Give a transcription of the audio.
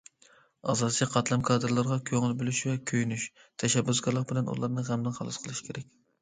ئاساسىي قاتلام كادىرلىرىغا كۆڭۈل بۆلۈش ۋە كۆيۈنۈش، تەشەببۇسكارلىق بىلەن ئۇلارنى غەمدىن خالاس قىلىش كېرەك.